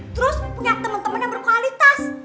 terus punya temen temen yang berkualitas